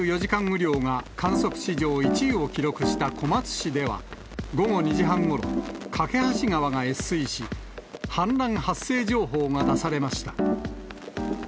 雨量が観測史上１位を記録した小松市では、午後２時半ごろ、梯川が越水し、氾濫発生情報が出されました。